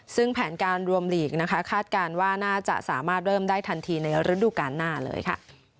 ซึ่งแผนการรวมหลีกนะคะคาดการณ์ว่าน่าจะสามารถเริ่มได้ทันทีในฤดูการหน้าเลยค่ะ